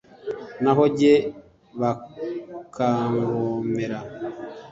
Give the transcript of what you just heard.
naho jye bakangomera.